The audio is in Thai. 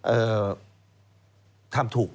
เอ่อทำถูกไหม